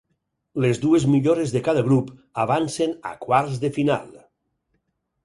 Les dues millores de cada grup avancen a quarts de final.